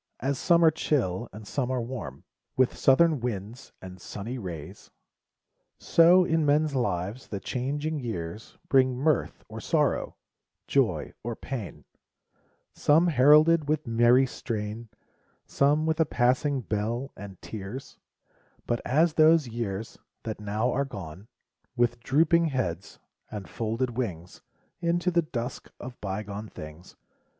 As some are chill, and some are warm With southern winds, and sunny rays — So, in men's lives, the changing years Bring mirth or sorrow, joy or pain, Some heralded with merry strain, Some with a passing bell, and tears ; But as those years, that now are gone With drooping heads, and folded wings, Into the dusk of bygone things.